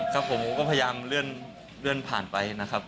ครับผมก็พยายามเลื่อนผ่านไปนะครับ